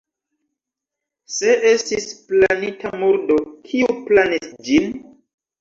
Se estis planita murdo, kiu planis ĝin?